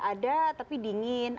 ada tapi dingin